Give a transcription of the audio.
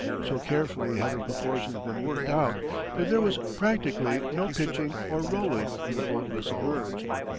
So carefully had her proportions been worked out that there was practically no pitching or rolling when the boat was submerged.